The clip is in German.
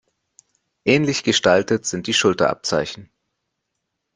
Ähnlich gestaltet sind die Schulterabzeichen.